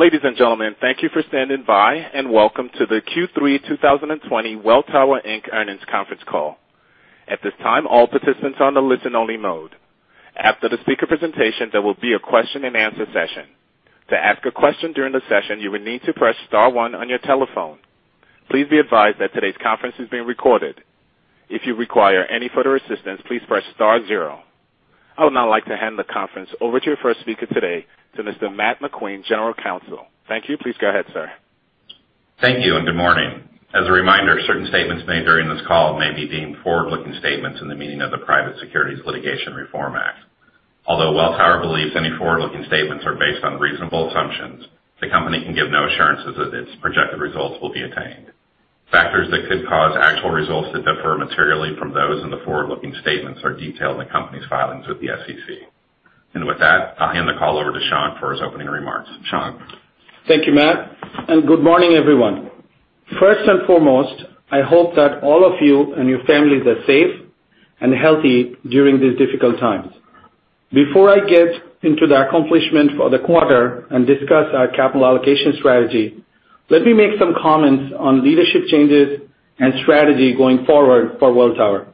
Ladies and gentlemen, thank you for standing by. Welcome to the Q3 2020 Welltower Inc. earnings conference call. At this time, all participants are on the listen only mode. After the speaker presentation, there will be a question and answer session. To ask a question during the session, you will need to press star one on your telephone. Please be advised that today's conference is being recorded. If you require any further assistance, please press star zero. I would now like to hand the conference over to your first speaker today, to Mr. Matt McQueen, General Counsel. Thank you. Please go ahead, sir. Thank you, and good morning. As a reminder, certain statements made during this call may be deemed forward-looking statements in the meaning of the Private Securities Litigation Reform Act. Although Welltower believes any forward-looking statements are based on reasonable assumptions, the company can give no assurances that its projected results will be attained. Factors that could cause actual results to differ materially from those in the forward-looking statements are detailed in company's filings with the SEC. With that, I'll hand the call over to Shankh for his opening remarks. Shankh. Thank you, Matt, and good morning, everyone. First and foremost, I hope that all of you and your families are safe and healthy during these difficult times. Before I get into the accomplishment for the quarter and discuss our capital allocation strategy, let me make some comments on leadership changes and strategy going forward for Welltower.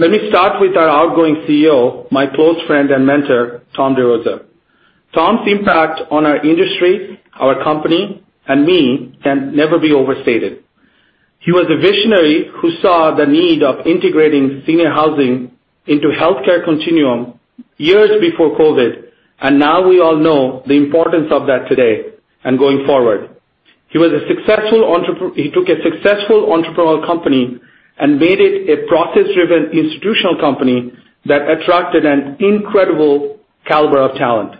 Let me start with our outgoing CEO, my close friend and mentor, Tom DeRosa. Tom's impact on our industry, our company, and me can never be overstated. He was a visionary who saw the need of integrating senior housing into healthcare continuum years before COVID, and now we all know the importance of that today and going forward. He took a successful entrepreneurial company and made it a process-driven institutional company that attracted an incredible caliber of talent.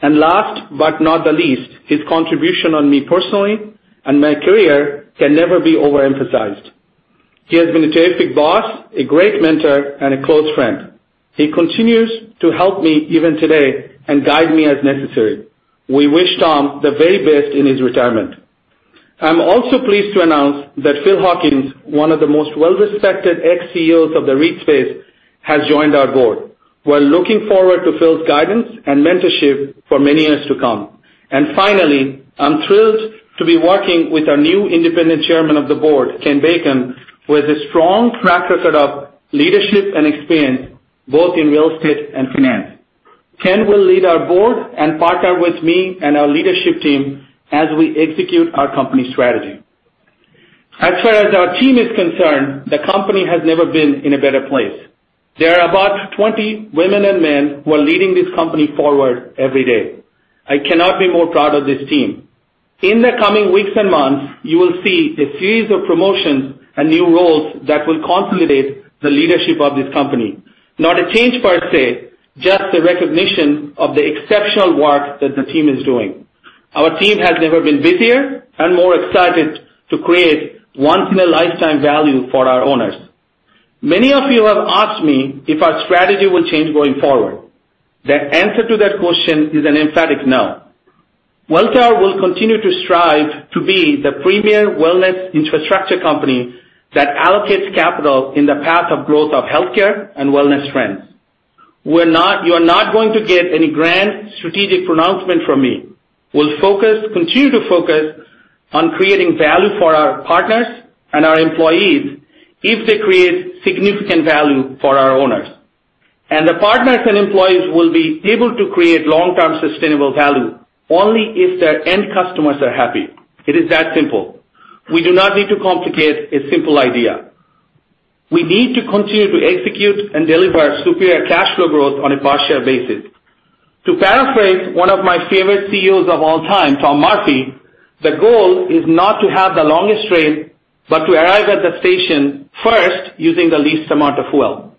Last but not the least, his contribution on me personally and my career can never be overemphasized. He has been a terrific boss, a great mentor, and a close friend. He continues to help me even today and guide me as necessary. We wish Tom the very best in his retirement. I'm also pleased to announce that Phil Hawkins, one of the most well-respected ex-CEOs of the REIT space, has joined our Board. We're looking forward to Phil's guidance and mentorship for many years to come. Finally, I'm thrilled to be working with our new independent Chairman of the Board, Ken Bacon, with a strong track record of leadership and experience both in real estate and finance. Ken will lead our Board and partner with me and our leadership team as we execute our company strategy. As far as our team is concerned, the company has never been in a better place. There are about 20 women and men who are leading this company forward every day. I cannot be more proud of this team. In the coming weeks and months, you will see a series of promotions and new roles that will consolidate the leadership of this company. Not a change per se, just a recognition of the exceptional work that the team is doing. Our team has never been busier and more excited to create once in a lifetime value for our owners. Many of you have asked me if our strategy will change going forward. The answer to that question is an emphatic no. Welltower will continue to strive to be the premier wellness infrastructure company that allocates capital in the path of growth of healthcare and wellness trends. You are not going to get any grand strategic pronouncement from me. We'll continue to focus on creating value for our partners and our employees if they create significant value for our owners. The partners and employees will be able to create long-term sustainable value only if their end customers are happy. It is that simple. We do not need to complicate a simple idea. We need to continue to execute and deliver superior cash flow growth on a per share basis. To paraphrase one of my favorite CEOs of all time, Tom Murphy, the goal is not to have the longest train, but to arrive at the station first using the least amount of fuel.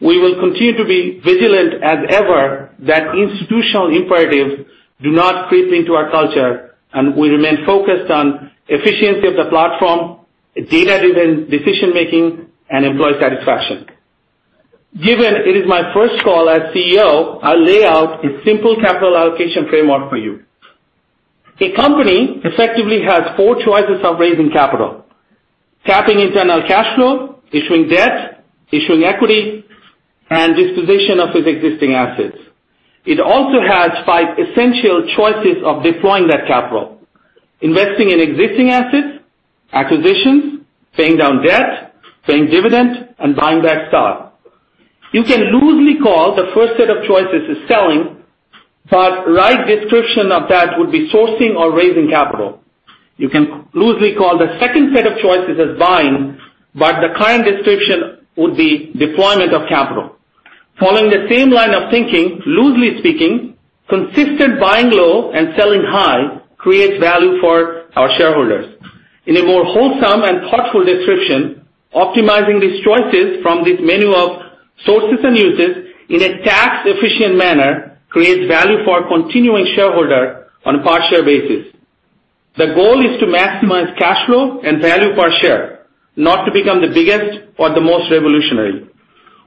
We will continue to be vigilant as ever that institutional imperatives do not creep into our culture, and we remain focused on efficiency of the platform, data-driven decision-making, and employee satisfaction. Given it is my first call as CEO, I'll lay out a simple capital allocation framework for you. A company effectively has four choices of raising capital, tapping internal cash flow, issuing debt, issuing equity, and disposition of its existing assets. It also has five essential choices of deploying that capital, investing in existing assets, acquisitions, paying down debt, paying dividend, and buying back stock. You can loosely call the first set of choices is selling, the right description of that would be sourcing or raising capital. You can loosely call the second set of choices as buying, the kind description would be deployment of capital. Following the same line of thinking, loosely speaking, consistent buying low and selling high creates value for our shareholders. In a more wholesome and thoughtful description, optimizing these choices from this menu of sources and uses in a tax-efficient manner creates value for continuing shareholder on a per share basis. The goal is to maximize cash flow and value per share, not to become the biggest or the most revolutionary.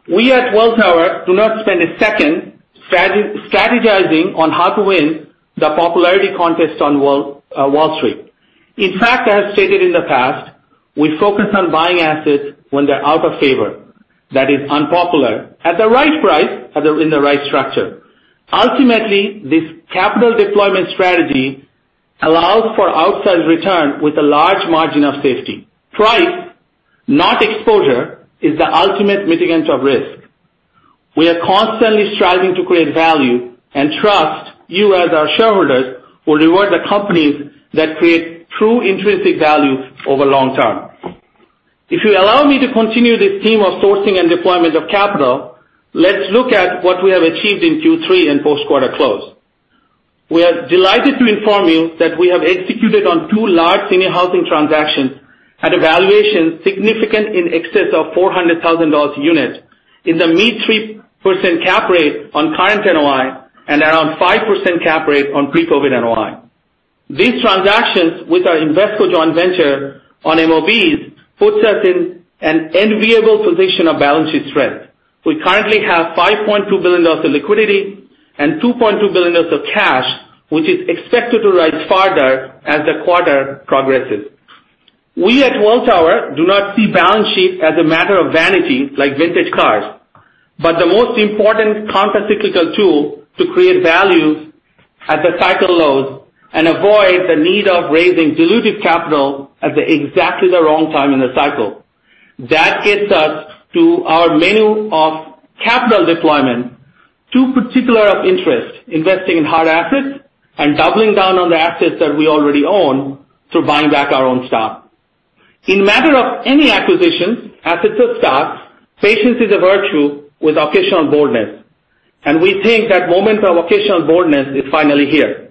We at Welltower do not spend a second strategizing on how to win the popularity contest on Wall Street. In fact, as stated in the past, we focus on buying assets when they're out of favor. That is unpopular at the right price, in the right structure. Ultimately, this capital deployment strategy allows for outsized return with a large margin of safety. Price, not exposure, is the ultimate mitigant of risk. We are constantly striving to create value, and trust you, as our shareholders, will reward the companies that create true intrinsic value over long term. If you allow me to continue this theme of sourcing and deployment of capital, let's look at what we have achieved in Q3 and post quarter close. We are delighted to inform you that we have executed on two large senior housing transactions at a valuation significant in excess of $400,000 a unit, in the mid 3% cap rate on current NOI and around 5% cap rate on pre-COVID NOI. These transactions with our Invesco joint venture on MOBs puts us in an enviable position of balance sheet strength. We currently have $5.2 billion in liquidity and $2.2 billion of cash, which is expected to rise further as the quarter progresses. We at Welltower do not see balance sheet as a matter of vanity, like vintage cars, but the most important counter-cyclical tool to create value at the cycle lows and avoid the need of raising dilutive capital at exactly the wrong time in the cycle. That gets us to our menu of capital deployment. Two particular of interest, investing in hard assets and doubling down on the assets that we already own through buying back our own stock. In matter of any acquisitions, assets or stocks, patience is a virtue with occasional boldness, and we think that moment of occasional boldness is finally here.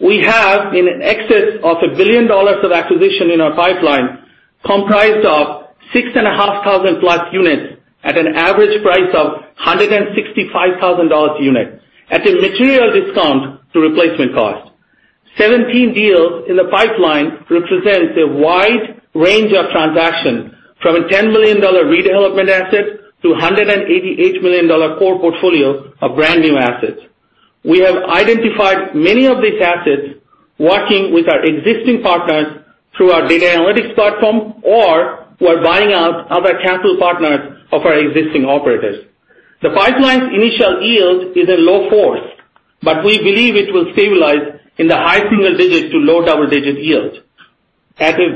We have in excess of $1 billion of acquisition in our pipeline, comprised of 6,500 plus units at an average price of $165,000 a unit at a material discount to replacement cost. 17 deals in the pipeline represents a wide range of transactions from a $10 million redevelopment asset to $188 million core portfolio of brand new assets. We have identified many of these assets working with our existing partners through our data analytics platform or who are buying out other capital partners of our existing operators. The pipeline's initial yield is a low 4s, but we believe it will stabilize in the high single digits to low double-digit yield. At a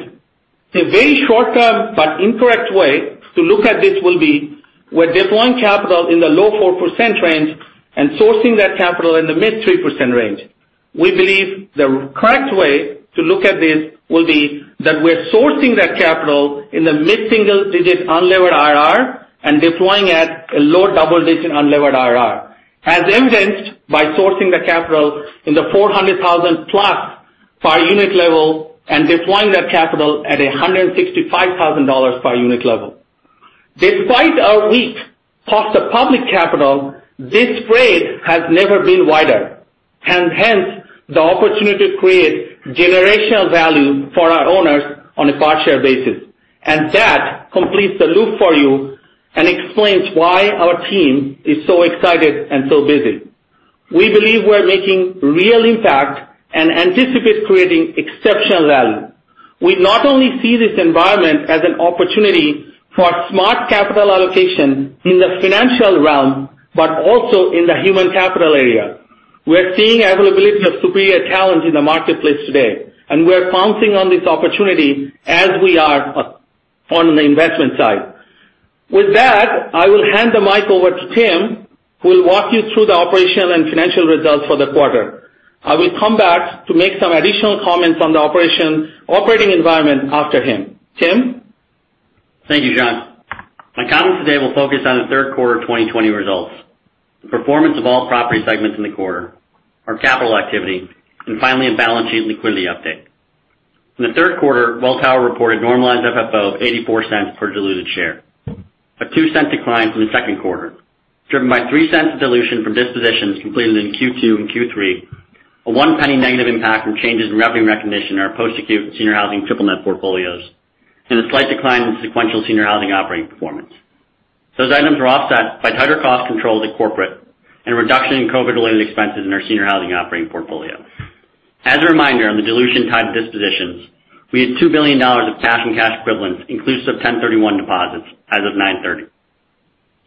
very short-term but incorrect way to look at this will be we're deploying capital in the low 4% range and sourcing that capital in the mid 3% range. We believe the correct way to look at this will be that we're sourcing that capital in the mid-single-digit unlevered IRR and deploying at a low double-digit unlevered IRR, as evidenced by sourcing the capital in the $400,000 plus per unit level and deploying that capital at $165,000 per unit level. Despite our weak cost of public capital, this spread has never been wider, and hence, the opportunity to create generational value for our owners on a per share basis. That completes the loop for you and explains why our team is so excited and so busy. We believe we're making real impact and anticipate creating exceptional value. We not only see this environment as an opportunity for smart capital allocation in the financial realm, but also in the human capital area. We're seeing availability of superior talent in the marketplace today, and we're pouncing on this opportunity as we are on the investment side. With that, I will hand the mic over to Tim, who will walk you through the operational and financial results for the quarter. I will come back to make some additional comments on the operating environment after him. Tim? Thank you, Shankh. My comments today will focus on the third quarter 2020 results, the performance of all property segments in the quarter, our capital activity, and finally, a balance sheet liquidity update. In the third quarter, Welltower reported normalized FFO of $0.84 per diluted share, a $0.02 decline from the second quarter, driven by $0.03 of dilution from dispositions completed in Q2 and Q3, a $0.01 negative impact from changes in revenue recognition in our post-acute senior housing triple net portfolios, and a slight decline in sequential senior housing operating performance. Those items were offset by tighter cost controls at corporate and a reduction in COVID-related expenses in our Senior Housing Operating Portfolio. As a reminder on the dilution-type dispositions, we had $2 billion of cash and cash equivalents inclusive of 1031 deposits as of 9/30.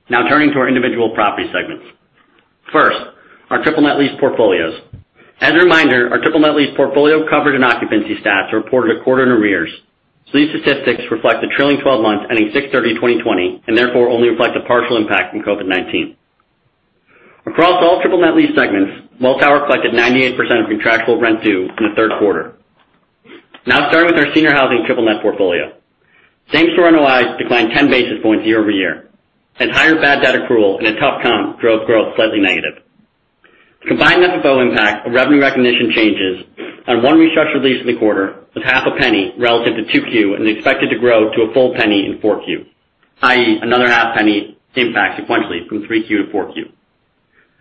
Now turning to our individual property segments. First, our triple net lease portfolios. As a reminder, our triple net lease portfolio coverage and occupancy stats are reported a quarter in arrears. These statistics reflect the trailing 12 months ending 6/30/2020, and therefore only reflect a partial impact from COVID-19. Across all triple net lease segments, Welltower collected 98% of contractual rent due in the third quarter. Starting with our senior housing triple net portfolio. Same store NOI declined 10 basis points year-over-year, higher bad debt accrual and a tough comp drove growth slightly negative. The combined FFO impact of revenue recognition changes on one restructured lease in the quarter was half a penny relative to 2Q and expected to grow to a full penny in 4Q, i.e., another half penny impact sequentially from 3Q to 4Q.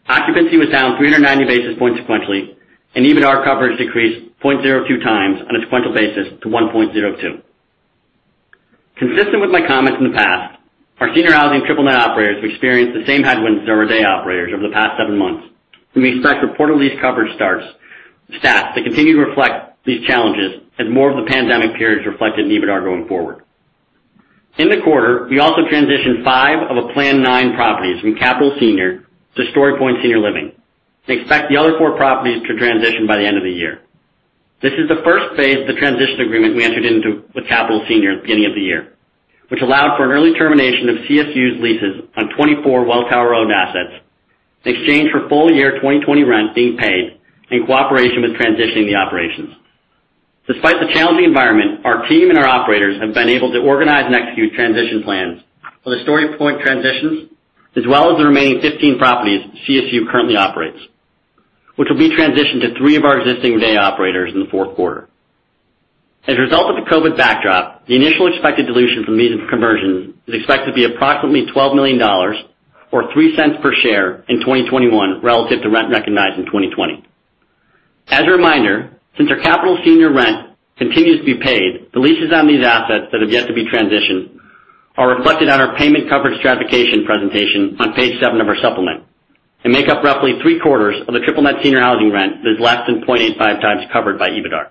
Occupancy was down 390 basis points sequentially, and EBITDAR coverage decreased 0.02x on a sequential basis to 1.02. Consistent with my comments in the past, our senior housing triple net operators have experienced the same headwinds as our RIDEA operators over the past seven months, and we expect reported lease coverage stats to continue to reflect these challenges as more of the pandemic period is reflected in EBITDAR going forward. In the quarter, we also transitioned five of a planned nine properties from Capital Senior to StoryPoint Senior Living. We expect the other four properties to transition by the end of the year. This is the first phase of the transition agreement we entered into with Capital Senior at the beginning of the year, which allowed for an early termination of CSU's leases on 24 Welltower-owned assets in exchange for full year 2020 rent being paid and cooperation with transitioning the operations. Despite the challenging environment, our team and our operators have been able to organize and execute transition plans for the StoryPoint transitions, as well as the remaining 15 properties CSU currently operates, which will be transitioned to three of our existing RIDEA operators in the fourth quarter. As a result of the COVID backdrop, the initial expected dilution from these conversions is expected to be approximately $12 million, or $0.03 per share in 2021 relative to rent recognized in 2020. As a reminder, since our Capital Senior rent continues to be paid, the leases on these assets that have yet to be transitioned are reflected on our payment coverage stratification presentation on page seven of our supplement and make up roughly three-quarters of the triple net senior housing rent that is less than 0.85x covered by EBITDAR.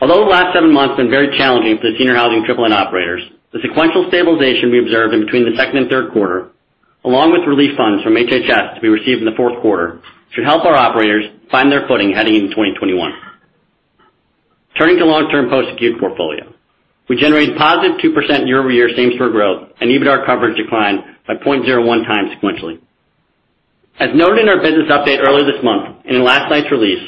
Although the last seven months have been very challenging for the senior housing triple net operators, the sequential stabilization we observed in between the second and third quarter, along with relief funds from HHS to be received in the fourth quarter, should help our operators find their footing heading into 2021. Turning to long-term post-acute portfolio. We generated positive 2% year-over-year same store growth and EBITDAR coverage declined by 0.01x sequentially. As noted in our business update earlier this month and in last night's release,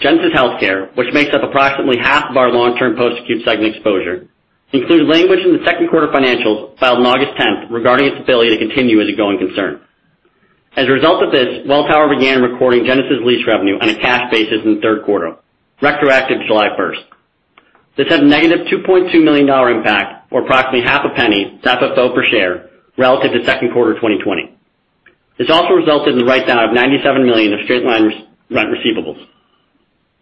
Genesis HealthCare, which makes up approximately half of our long-term post-acute segment exposure, included language in the second quarter financials filed on August 10th regarding its ability to continue as a going concern. As a result of this, Welltower began recording Genesis lease revenue on a cash basis in the third quarter, retroactive to July 1st. This had a negative $2.2 million impact, or approximately half a penny, to FFO per share relative to the second quarter of 2020. This also resulted in the write-down of $97 million of straight-line rent receivables.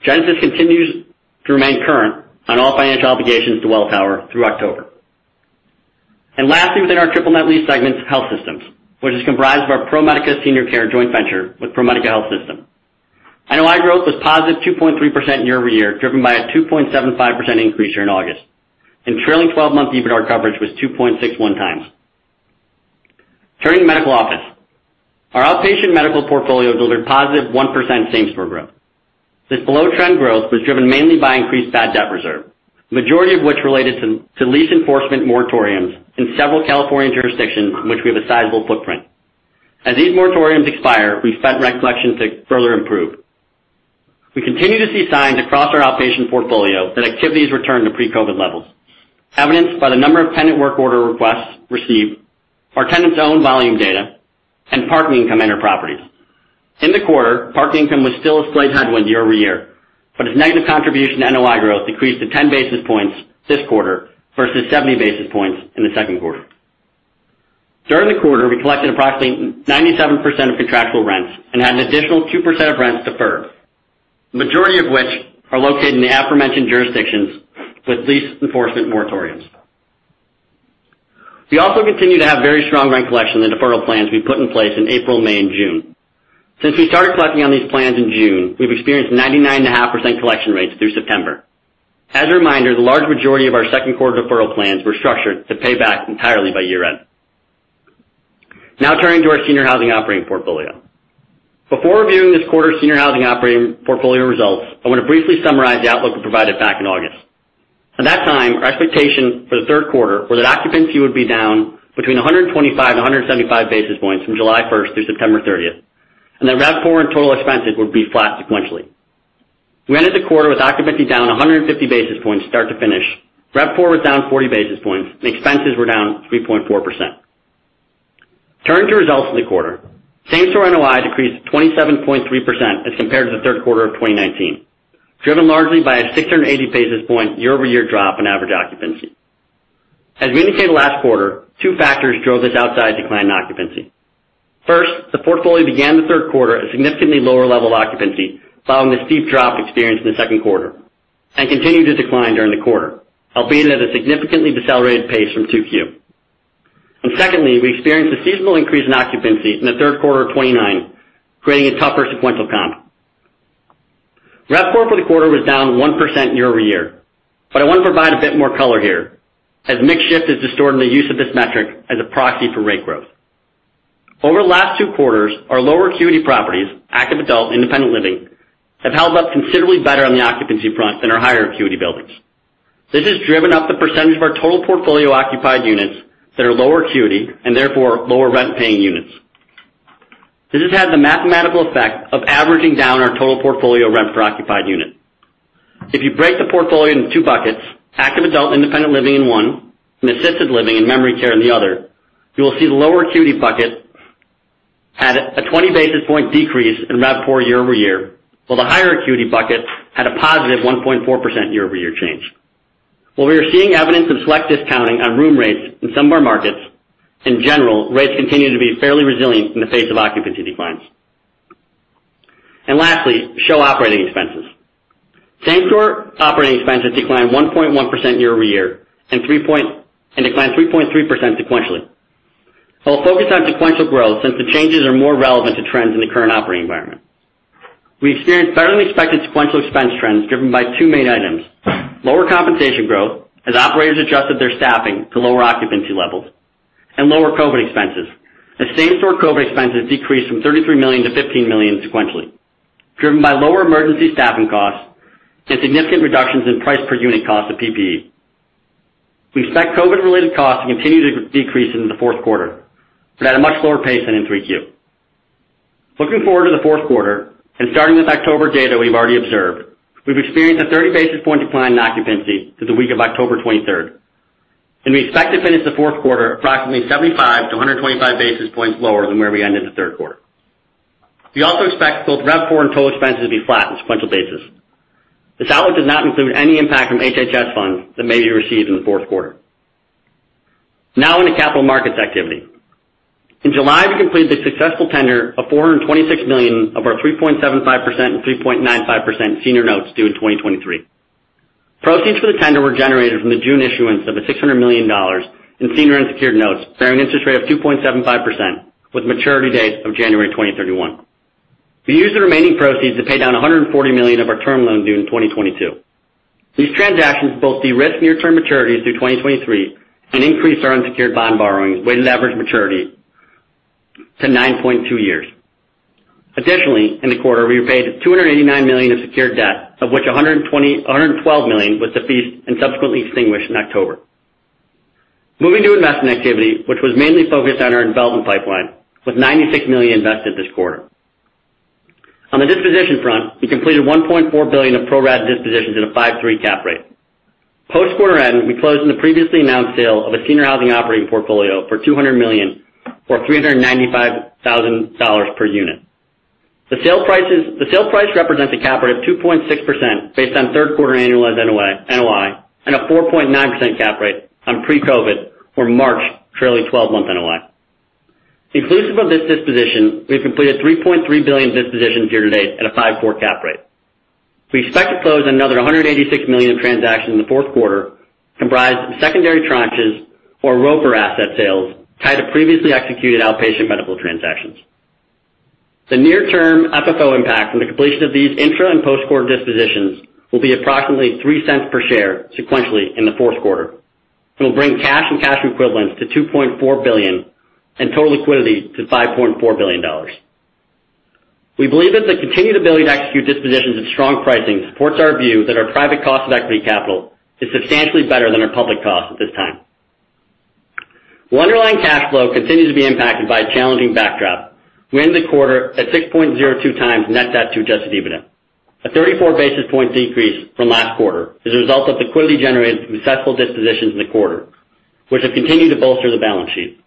Genesis continues to remain current on all financial obligations to Welltower through October. Lastly, within our triple net lease segment is health systems, which is comprised of our ProMedica Senior Care joint venture with ProMedica Health System. NOI growth was positive 2.3% year-over-year, driven by a 2.75% increase here in August, and trailing 12-month EBITDAR coverage was 2.61x. Turning to medical office. Our outpatient medical portfolio delivered positive 1% same store growth. This below-trend growth was driven mainly by increased bad debt reserve, the majority of which related to lease enforcement moratoriums in several California jurisdictions in which we have a sizable footprint. As these moratoriums expire, we expect rent collection to further improve. We continue to see signs across our outpatient portfolio that activities return to pre-COVID levels, evidenced by the number of tenant work order requests received, our tenants' own volume data, and parking income at our properties. In the quarter, parking income was still a slight headwind year-over-year, but its negative contribution to NOI growth decreased to 10 basis points this quarter versus 70 basis points in the second quarter. During the quarter, we collected approximately 97% of contractual rents and had an additional 2% of rents deferred, the majority of which are located in the aforementioned jurisdictions with lease enforcement moratoriums. We also continue to have very strong rent collection on the deferral plans we put in place in April, May, and June. Since we started collecting on these plans in June, we've experienced 99.5% collection rates through September. As a reminder, the large majority of our second quarter deferral plans were structured to pay back entirely by year-end. Now, turning to our Senior Housing Operating Portfolio. Before reviewing this quarter's Senior Housing Operating Portfolio results, I want to briefly summarize the outlook we provided back in August. At that time, our expectations for the third quarter were that occupancy would be down between 125 and 175 basis points from July 1st through September 30th, and that RevPOR and total expenses would be flat sequentially. We ended the quarter with occupancy down 150 basis points start to finish, RevPOR was down 40 basis points, and expenses were down 3.4%. Turning to results for the quarter. Same store NOI decreased 27.3% as compared to the third quarter of 2019, driven largely by a 680 basis point year-over-year drop in average occupancy. As we indicated last quarter, two factors drove this outsized decline in occupancy. First, the portfolio began the third quarter at significantly lower level occupancy following the steep drop experienced in the second quarter and continued to decline during the quarter, albeit at a significantly decelerated pace from 2Q. Secondly, we experienced a seasonal increase in occupancy in the third quarter of 2019, creating a tougher sequential comp. RevPOR for the quarter was down 1% year-over-year. I want to provide a bit more color here, as mix shift has distorted the use of this metric as a proxy for rate growth. Over the last two quarters, our lower acuity properties, active adult, independent living, have held up considerably better on the occupancy front than our higher acuity buildings. This has driven up the percentage of our total portfolio occupied units that are lower acuity and therefore lower rent-paying units. This has had the mathematical effect of averaging down our total portfolio rent per occupied unit. If you break the portfolio into two buckets, active adult independent living in one and assisted living and memory care in the other, you will see the lower acuity bucket had a 20 basis point decrease in RevPOR year-over-year, while the higher acuity bucket had a positive 1.4% year-over-year change. While we are seeing evidence of select discounting on room rates in some of our markets, in general, rates continue to be fairly resilient in the face of occupancy declines. Lastly, SHO operating expenses. Same store operating expenses declined 1.1% year-over-year and declined 3.3% sequentially. I'll focus on sequential growth since the changes are more relevant to trends in the current operating environment. We experienced better-than-expected sequential expense trends driven by two main items, lower compensation growth as operators adjusted their staffing to lower occupancy levels, and lower COVID expenses. The same store COVID expenses decreased from $33 million to $15 million sequentially, driven by lower emergency staffing costs and significant reductions in price per unit cost of PPE. We expect COVID-related costs to continue to decrease into the fourth quarter, but at a much slower pace than in 3Q. Looking forward to the fourth quarter and starting with October data we've already observed, we've experienced a 30-basis point decline in occupancy to the week of October 23rd, and we expect to finish the fourth quarter approximately 75 to 125 basis points lower than where we ended the third quarter. We also expect both RevPOR and total expenses to be flat on a sequential basis. This outlook does not include any impact from HHS funds that may be received in the fourth quarter. Now, in the capital markets activity. In July, we completed the successful tender of $426 million of our 3.75% and 3.95% senior notes due in 2023. Proceeds for the tender were generated from the June issuance of the $600 million in senior unsecured notes, bearing an interest rate of 2.75%, with maturity dates of January 2031. We used the remaining proceeds to pay down $140 million of our term loan due in 2022. These transactions both de-risk near-term maturities through 2023 and increase our unsecured bond borrowings weighted average maturity to 9.2 years. Additionally, in the quarter, we repaid $289 million of secured debt, of which $112 million was defeased and subsequently extinguished in October. Moving to investment activity, which was mainly focused on our development pipeline, with $96 million invested this quarter. On the disposition front, we completed $1.4 billion of pro-rata dispositions at a 5.3 cap rate. Post quarter end, we closed on the previously announced sale of a Senior Housing Operating Portfolio for $200 million or $395,000 per unit. The sale price represents a cap rate of 2.6% based on third quarter annualized NOI, and a 4.9% cap rate on pre-COVID for March trailing 12-month NOI. Inclusive of this disposition, we've completed $3.3 billion in dispositions year-to-date at a 5.4% cap rate. We expect to close another $186 million of transactions in the fourth quarter, comprised of secondary tranches or ROFR asset sales tied to previously executed outpatient medical transactions. The near-term FFO impact from the completion of these intra and post-quarter dispositions will be approximately $0.03 per share sequentially in the fourth quarter. It'll bring cash and cash equivalents to $2.4 billion and total liquidity to $5.4 billion. We believe that the continued ability to execute dispositions at strong pricing supports our view that our private cost of equity capital is substantially better than our public cost at this time. While underlying cash flow continues to be impacted by a challenging backdrop, we end the quarter at 6.02x net debt to adjusted EBITDA, a 34-basis point decrease from last quarter as a result of liquidity generated from successful dispositions in the quarter, which have continued to bolster the balance sheet.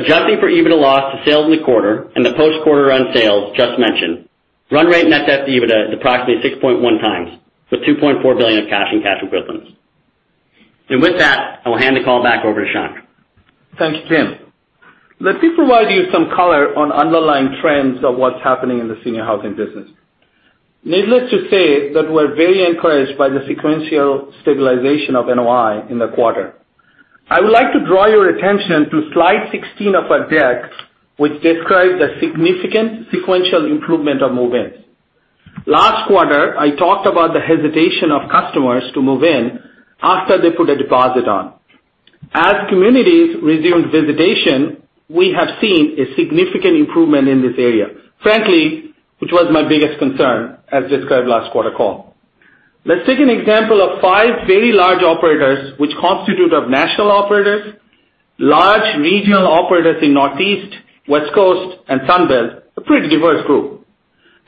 Adjusting for EBITDA loss to sales in the quarter and the post quarter-end sales just mentioned, run rate net debt to EBITDA is approximately 6.1 times with $2.4 billion of cash and cash equivalents. With that, I will hand the call back over to Shankh. Thanks, Tim. Let me provide you some color on underlying trends of what's happening in the senior housing business. Needless to say that we're very encouraged by the sequential stabilization of NOI in the quarter. I would like to draw your attention to slide 16 of our deck, which describes the significant sequential improvement of move-ins. Last quarter, I talked about the hesitation of customers to move in after they put a deposit on. As communities resumed visitation, we have seen a significant improvement in this area, frankly, which was my biggest concern as described last quarter call. Let's take an example of five very large operators which constitute of national operators, large regional operators in Northeast, West Coast, and Sunbelt, a pretty diverse group.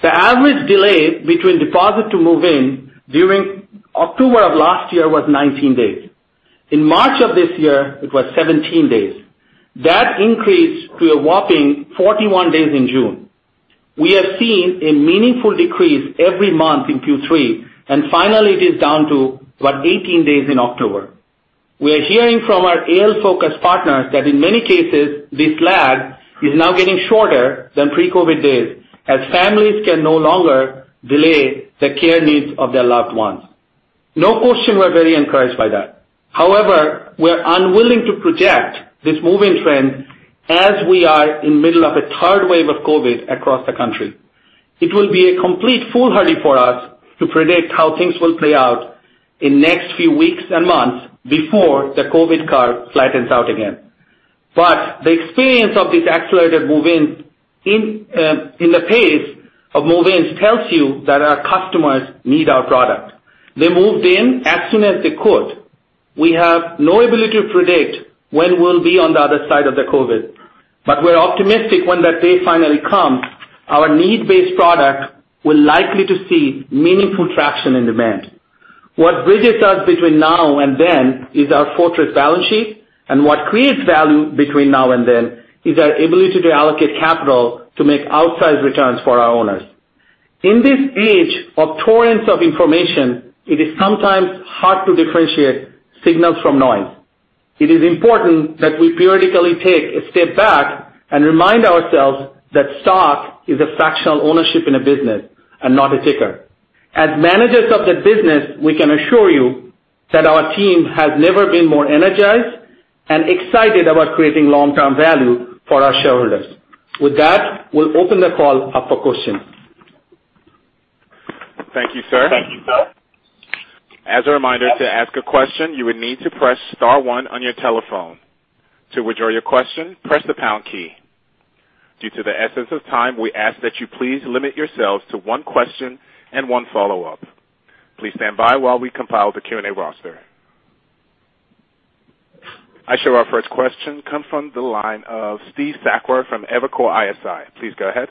The average delay between deposit to move in during October of last year was 19 days. In March of this year, it was 17 days. That increased to a whopping 41 days in June. We have seen a meaningful decrease every month in Q3, and finally it is down to about 18 days in October. We are hearing from our AL-focused partners that in many cases this lag is now getting shorter than pre-COVID days, as families can no longer delay the care needs of their loved ones. No question we're very encouraged by that. However, we're unwilling to project this move-in trend as we are in middle of a third wave of COVID across the country. It will be a complete foolhardy for us to predict how things will play out in next few weeks and months before the COVID curve flattens out again. The experience of this accelerated move-ins in the pace of move-ins tells you that our customers need our product. They moved in as soon as they could. We have no ability to predict when we'll be on the other side of the COVID, but we're optimistic when that day finally comes, our need-based product will likely to see meaningful traction and demand. What bridges us between now and then is our fortress balance sheet, and what creates value between now and then is our ability to allocate capital to make outsized returns for our owners. In this age of torrents of information, it is sometimes hard to differentiate signals from noise. It is important that we periodically take a step back and remind ourselves that stock is a fractional ownership in a business and not a ticker. As managers of the business, we can assure you that our team has never been more energized and excited about creating long-term value for our shareholders. With that, we'll open the call up for questions. Thank you, sir. As a reminder, to ask a question, you would need to press star one on your telephone. To withdraw your question, press the pound key. Due to the essence of time, we ask that you please limit yourselves to one question and one follow-up. Please stand by while we compile the Q&A roster. Our first question come from the line of Steve Sakwa from Evercore ISI. Please go ahead.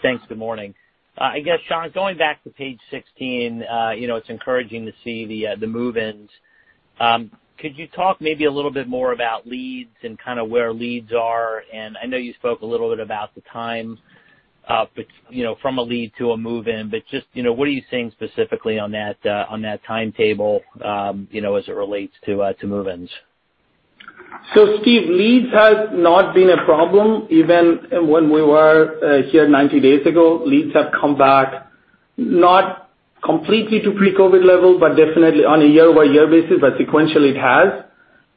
Thanks. Good morning. I guess, Shankh, going back to page 16, it's encouraging to see the move-ins. Could you talk maybe a little bit more about leads and where leads are? I know you spoke a little bit about the time from a lead to a move-in, but just what are you seeing specifically on that timetable as it relates to move-ins? Steve, leads has not been a problem even when we were here 90 days ago. Leads have come back, not completely to pre-COVID levels, but definitely on a year-over-year basis, but sequentially it has.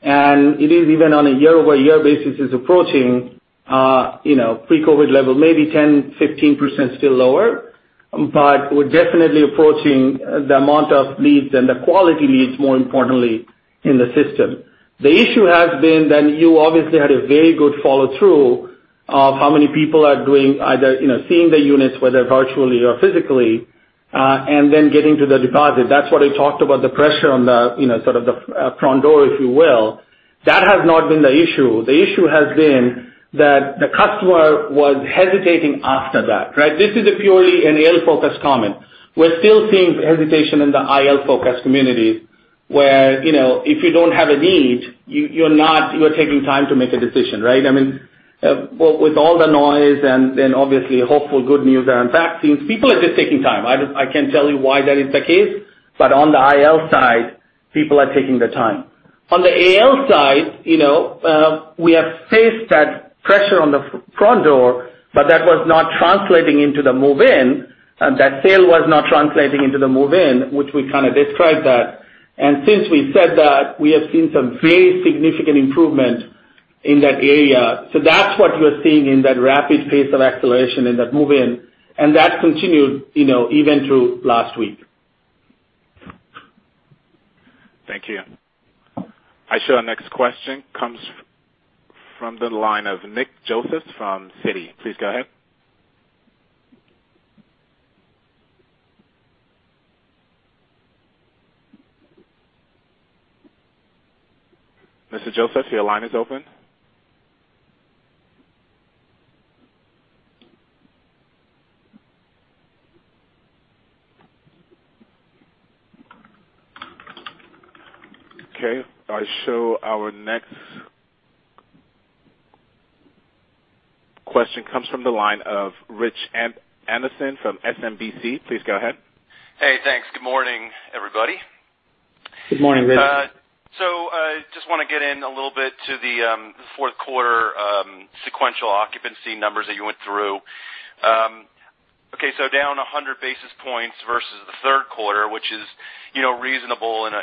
It is even on a year-over-year basis is approaching pre-COVID level, maybe 10%-15% still lower. We're definitely approaching the amount of leads and the quality leads, more importantly, in the system. The issue has been you obviously had a very good follow-through of how many people are seeing the units, whether virtually or physically, and then getting to the deposit. That's what I talked about, the pressure on the front door, if you will. That has not been the issue. The issue has been that the customer was hesitating after that. This is purely an AL focus comment. We're still seeing hesitation in the IL focus community, where if you don't have a need, you are taking time to make a decision. I mean, with all the noise and obviously hopeful good news around vaccines, people are just taking time. I can't tell you why that is the case, but on the IL side, people are taking their time. On the AL side, we have faced that pressure on the front door, but that was not translating into the move-in. That sale was not translating into the move-in, which we kind of described that. Since we said that, we have seen some very significant improvement in that area. That's what you're seeing in that rapid pace of acceleration in that move-in, and that continued even through last week. Thank you. Our next question comes from the line of Nick Joseph from Citi. Please go ahead. Mr. Joseph, your line is open. Okay, our next question comes from the line of Rich Anderson from SMBC. Please go ahead. Hey, thanks. Good morning, everybody. Good morning, Rich. Just want to get in a little bit to the fourth quarter sequential occupancy numbers that you went through. Down 100 basis points versus the third quarter, which is reasonable in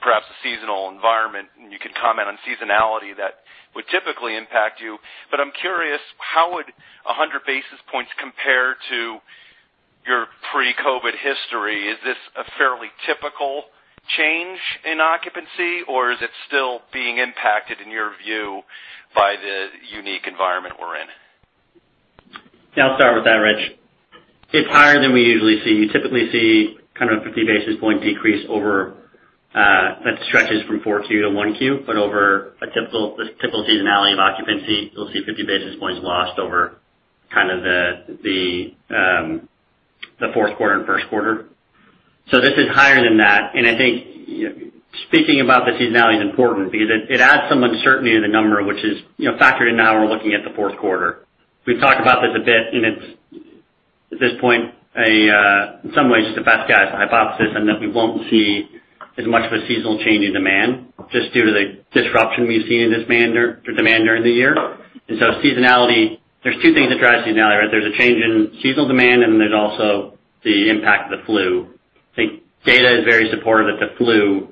perhaps a seasonal environment, and you could comment on seasonality that would typically impact you. I'm curious, how would 100 basis points compare to your pre-COVID history? Is this a fairly typical change in occupancy, or is it still being impacted, in your view, by the unique environment we're in? Yeah, I'll start with that, Rich. It's higher than we usually see. You typically see kind of a 50 basis point decrease over that stretches from 4Q to 1Q. Over a typical seasonality of occupancy, you'll see 50 basis points lost over kind of the fourth quarter and first quarter. This is higher than that. I think speaking about the seasonality is important because it adds some uncertainty to the number, which is factored in now we're looking at the fourth quarter. We've talked about this a bit, and it's at this point, in some ways, the best guess hypothesis and that we won't see as much of a seasonal change in demand just due to the disruption we've seen in demand during the year. Seasonality, there's two things that drive seasonality, right? There's a change in seasonal demand, then there's also the impact of the flu. I think data is very supportive that the flu,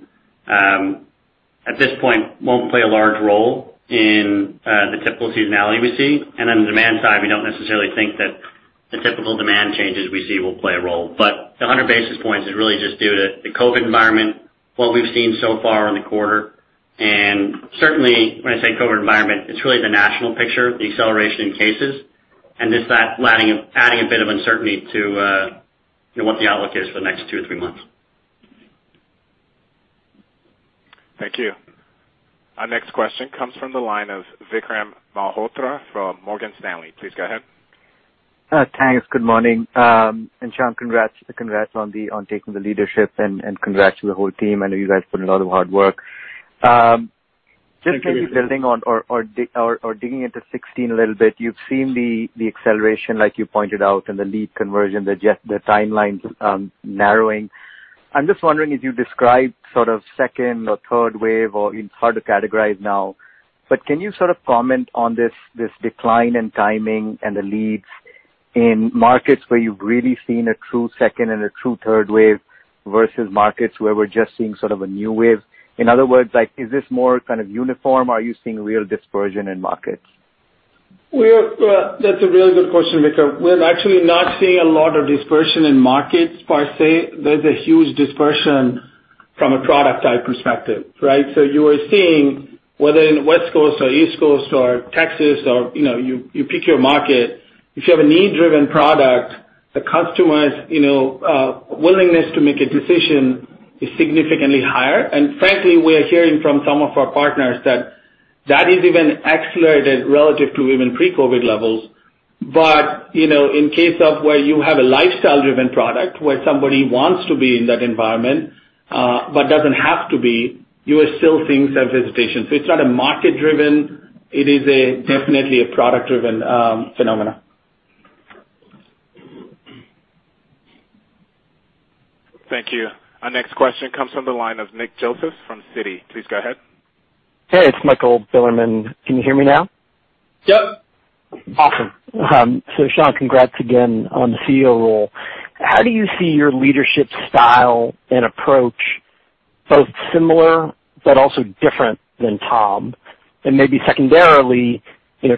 at this point, won't play a large role in the typical seasonality we see. On the demand side, we don't necessarily think that the typical demand changes we see will play a role. The 100 basis points is really just due to the COVID environment, what we've seen so far in the quarter, and certainly when I say COVID environment, it's really the national picture, the acceleration in cases, and just that adding a bit of uncertainty to what the outlook is for the next two or three months. Thank you. Our next question comes from the line of Vikram Malhotra from Morgan Stanley. Please go ahead. Thanks. Good morning. Shankh, congrats on taking the leadership and congrats to the whole team. You guys put in a lot of hard work. Just maybe building on or digging into '16 a little bit, you've seen the acceleration, like you pointed out, and the lead conversion, the timelines narrowing. I'm just wondering if you describe sort of second or third wave, or it's hard to categorize now, but can you sort of comment on this decline in timing and the leads in markets where you've really seen a true second and a true third wave versus markets where we're just seeing sort of a new wave? In other words, is this more kind of uniform? Are you seeing real dispersion in markets? Well, that's a really good question, Vikram. We're actually not seeing a lot of dispersion in markets per se. There's a huge dispersion from a product type perspective, right? You are seeing whether in West Coast or East Coast or Texas or you pick your market. If you have a need-driven product, the customer's willingness to make a decision is significantly higher. Frankly, we are hearing from some of our partners that that is even accelerated relative to even pre-COVID levels. In case of where you have a lifestyle-driven product where somebody wants to be in that environment, but doesn't have to be, you are still seeing some hesitation. It's not a market driven. It is definitely a product driven phenomena. Thank you. Our next question comes from the line of Nick Joseph from Citi. Please go ahead. Hey, it's Michael Bilerman. Can you hear me now? Yep. Awesome. Shankh, congrats again on the CEO role. How do you see your leadership style and approach both similar but also different than Tom? Maybe secondarily,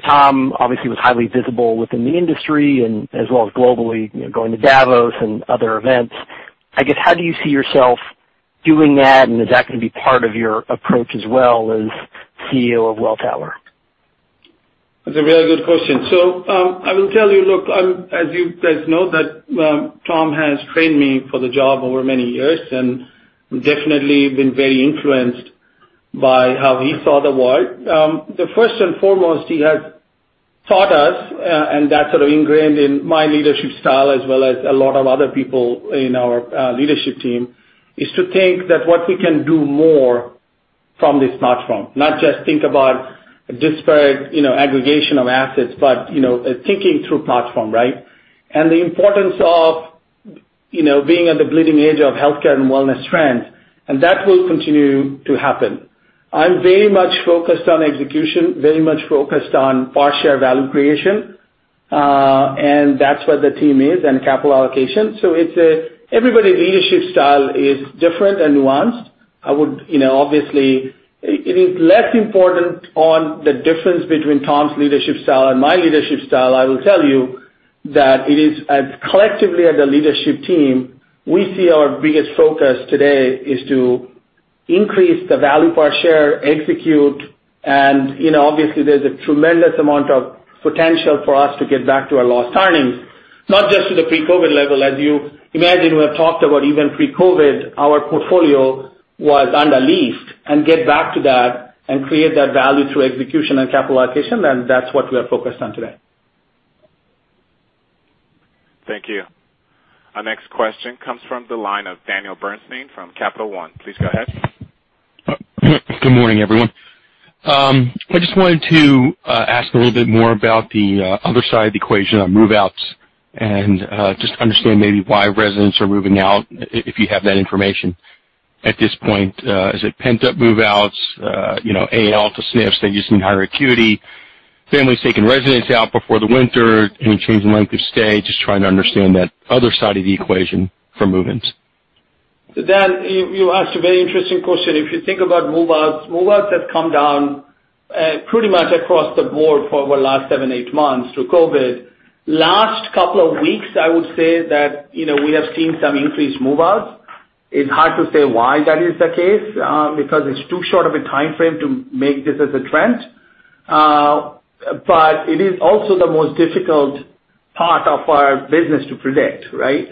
Tom obviously was highly visible within the industry and as well as globally, going to Davos and other events. I guess, how do you see yourself doing that, and is that gonna be part of your approach as well as CEO of Welltower? That's a really good question. I will tell you, look, as you guys know, that Tom has trained me for the job over many years, and I'm definitely been very influenced by how he saw the world. The first and foremost, he has taught us, and that's sort of ingrained in my leadership style as well as a lot of other people in our leadership team, is to think that what we can do more from this platform, not just think about disparate aggregation of assets, but thinking through platform, right? The importance of being at the bleeding edge of healthcare and wellness trends, and that will continue to happen. I'm very much focused on execution, very much focused on per share value creation, and that's where the team is, and capital allocation. Everybody's leadership style is different and nuanced. Obviously, it is less important on the difference between Tom's leadership style and my leadership style. I will tell you that it is, collectively as a leadership team, we see our biggest focus today is to increase the value per share, execute, and obviously there's a tremendous amount of potential for us to get back to our lost earnings, not just to the pre-COVID level. As you imagine, we have talked about even pre-COVID, our portfolio was under leased, and get back to that and create that value through execution and capital allocation, then that's what we're focused on today. Thank you. Our next question comes from the line of Daniel Bernstein from Capital One. Please go ahead. Good morning, everyone. I just wanted to ask a little bit more about the other side of the equation on move-outs and just understand maybe why residents are moving out, if you have that information at this point. Is it pent-up move-outs? AL to SNFs, are you seeing higher acuity? Families taking residents out before the winter? Any change in length of stay? Just trying to understand that other side of the equation for move-ins. Dan, you asked a very interesting question. If you think about move-outs, move-outs have come down pretty much across the board for over the last seven, eight months through COVID. Last couple of weeks, I would say that we have seen some increased move-outs. It's hard to say why that is the case, because it's too short of a timeframe to make this as a trend. It is also the most difficult part of our business to predict, right?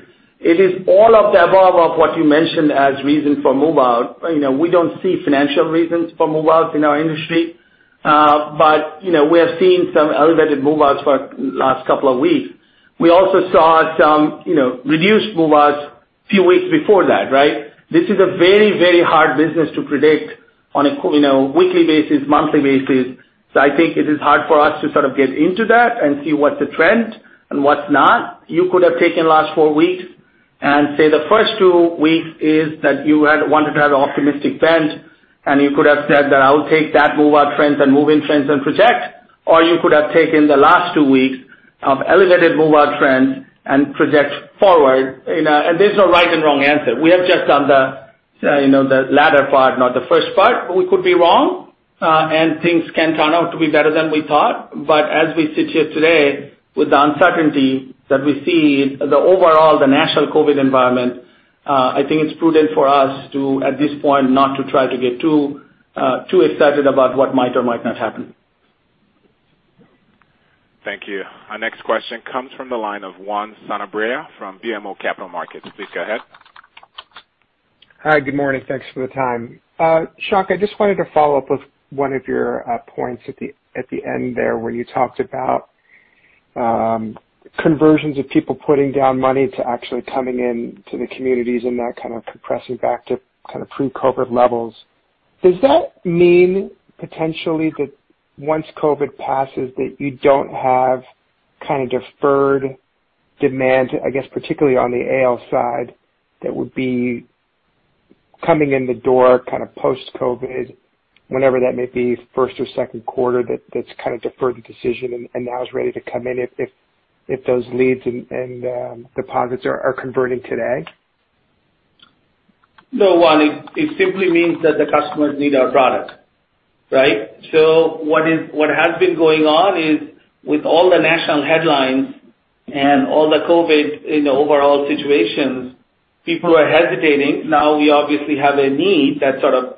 It is all of the above of what you mentioned as reason for move-out. We don't see financial reasons for move-outs in our industry. We have seen some elevated move-outs for last couple of weeks. We also saw some reduced move-outs few weeks before that, right? This is a very hard business to predict on a weekly basis, monthly basis. I think it is hard for us to sort of get into that and see what's a trend and what's not. You could have taken the last four weeks and say the first two weeks is that you had wanted to have the optimistic trend, and you could have said that I will take that move-out trends and move-in trends and project, or you could have taken the last two weeks of elevated move-out trends and project forward. There's no right and wrong answer. We have just done the latter part, not the first part. We could be wrong, and things can turn out to be better than we thought. As we sit here today with the uncertainty that we see the overall, the national COVID environment, I think it's prudent for us to, at this point, not to try to get too excited about what might or might not happen. Thank you. Our next question comes from the line of Juan Sanabria from BMO Capital Markets. Please go ahead. Hi, good morning. Thanks for the time. Shankh, I just wanted to follow up with one of your points at the end there where you talked about. Conversions of people putting down money to actually coming into the communities and that kind of compressing back to pre-COVID levels, does that mean potentially that once COVID passes, that you don't have kind of deferred demand, I guess particularly on the AL side, that would be coming in the door post-COVID, whenever that may be, first or second quarter, that's kind of deferred the decision and now is ready to come in if those leads and deposits are converting today? No, well, it simply means that the customers need our product. Right? What has been going on is with all the national headlines and all the COVID in the overall situations, people are hesitating. We obviously have a need that's sort of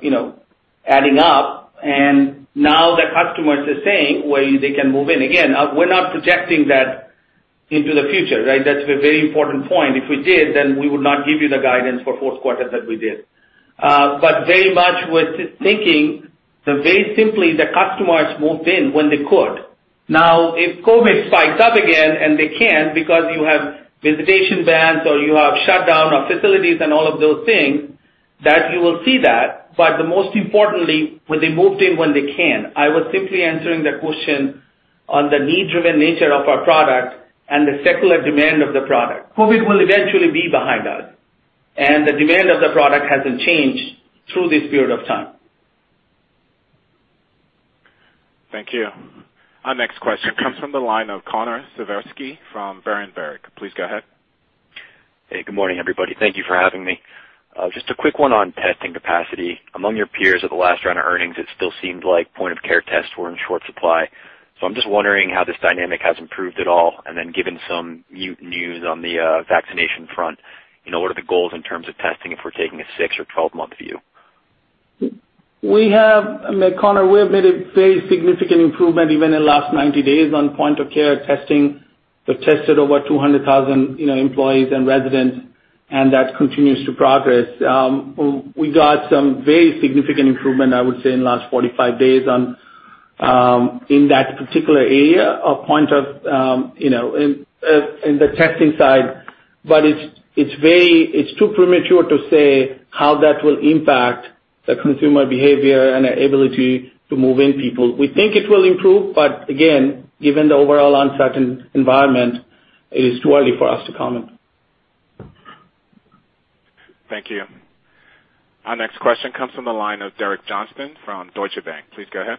adding up, and now the customers are saying where they can move in. Again, we're not projecting that into the future, right? That's a very important point. If we did, we would not give you the guidance for fourth quarter that we did. Very much we're thinking that very simply, the customers moved in when they could. If COVID spikes up again, and they can because you have visitation bans or you have shutdown of facilities and all of those things, that you will see that. The most importantly, when they moved in when they can. I was simply answering the question on the need-driven nature of our product and the secular demand of the product. COVID will eventually be behind us, and the demand of the product hasn't changed through this period of time. Thank you. Our next question comes from the line of Connor Siversky from Berenberg. Please go ahead. Hey, good morning, everybody. Thank you for having me. Just a quick one on testing capacity. Among your peers at the last round of earnings, it still seemed like point of care tests were in short supply. I'm just wondering how this dynamic has improved at all, and then given some news on the vaccination front, what are the goals in terms of testing if we're taking a six or 12-month view? Connor, we have made a very significant improvement even in the last 90 days on point of care testing. We've tested over 200,000 employees and residents, and that continues to progress. We got some very significant improvement, I would say, in the last 45 days in that particular area in the testing side. It's too premature to say how that will impact the consumer behavior and the ability to move in people. We think it will improve, but again, given the overall uncertain environment, it is too early for us to comment. Thank you. Our next question comes from the line of Derek Johnston from Deutsche Bank. Please go ahead.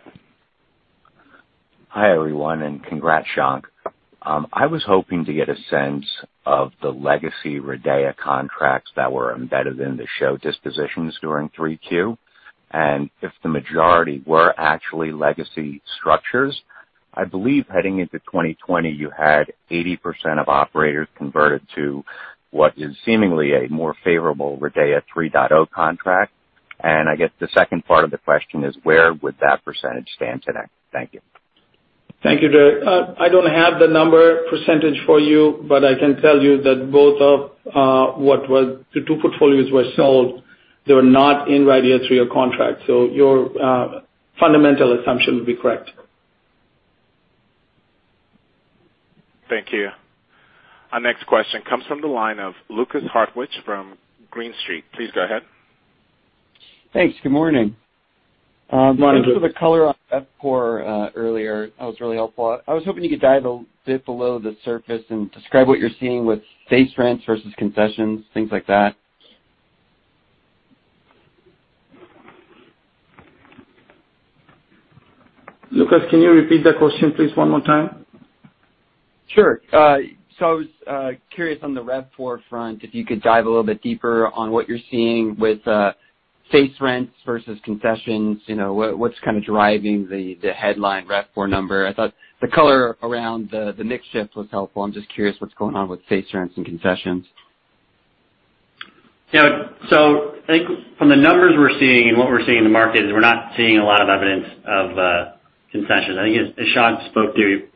Hi, everyone, and congrats, Shankh. I was hoping to get a sense of the legacy RIDEA contracts that were embedded in the SHO dispositions during 3Q. If the majority were actually legacy structures. I believe heading into 2020, you had 80% of operators converted to what is seemingly a more favorable RIDEA 3.0 contract. I guess the second part of the question is where would that percentage stand today? Thank you. Thank you, Derek. I don't have the number percentage for you, but I can tell you that both of the two portfolios were sold. They were not in RIDEA 3.0 contract, so your fundamental assumption would be correct. Thank you. Our next question comes from the line of Lukas Hartwich from Green Street. Please go ahead. Thanks. Good morning. Morning, Lukas. Thanks for the color on RevPOR earlier. That was really helpful. I was hoping you could dive a bit below the surface and describe what you're seeing with base rents versus concessions, things like that. Lukas, can you repeat that question, please, one more time? Sure. I was curious on the RevPOR front, if you could dive a little bit deeper on what you're seeing with base rents versus concessions. What's kind of driving the headline RevPOR number? I thought the color around the mix shift was helpful. I'm just curious what's going on with base rents and concessions. I think from the numbers we're seeing and what we're seeing in the market is we're not seeing a lot of evidence of concessions. I think as Shankh spoke to,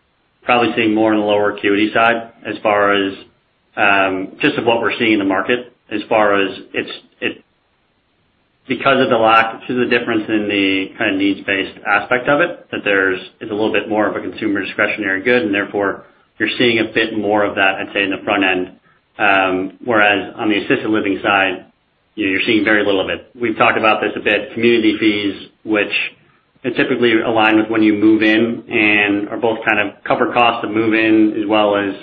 probably seeing more on the lower acuity side as far as just of what we're seeing in the market as far as it's because of the lack to the difference in the kind of needs-based aspect of it, that there's a little bit more of a consumer discretionary good, and therefore you're seeing a bit more of that, I'd say, in the front end. Whereas on the assisted living side, you're seeing very little of it. We've talked about this a bit, community fees, which typically align with when you move in and are both kind of cover costs of move in as well as